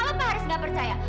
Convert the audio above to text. kalau pak haris tidak percaya